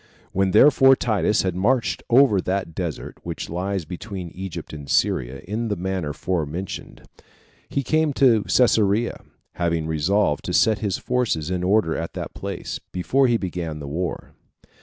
1. When therefore Titus had marched over that desert which lies between Egypt and Syria, in the manner forementioned, he came to Cesarea, having resolved to set his forces in order at that place, before he began the war.